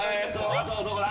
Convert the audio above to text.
あとどこだ？